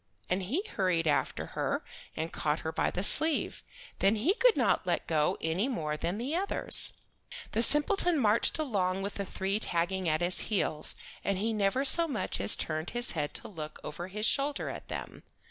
And he hurried after her and caught her by the sleeve. Then he could not let go any more than the others. The simpleton marched along with the three tagging at his heels, and he never so much as turned his head to look over his shoulder at them.